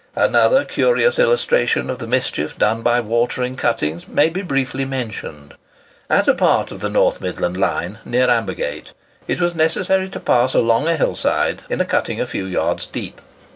Another curious illustration of the mischief done by water in cuttings may be briefly mentioned. At a part of the North Midland Line, near Ambergate, it was necessary to pass along a hillside in a cutting a few yards deep.